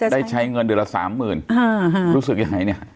ได้ใช้เงินเดือนละ๓๐๐๐๐บาทรู้สึกยังไง